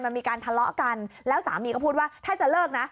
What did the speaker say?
มันมีการทะเลาะกันแล้วสามีก็พูดว่าถ้าจะเลิกนะ